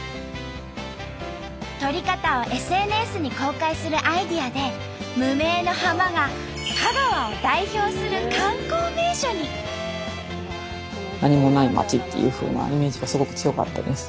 撮り方をＳＮＳに公開するアイデアで無名の浜が何もない町っていうふうなイメージがすごく強かったです。